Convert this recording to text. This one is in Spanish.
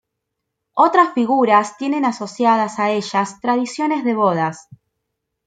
Otras figuras tienen asociadas a ellas tradiciones de bodas.